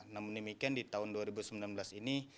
namun demikian di tahun dua ribu sembilan belas ini